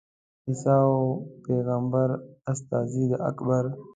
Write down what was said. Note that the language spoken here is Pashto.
عیسی وو پېغمبر استازی د اکبر.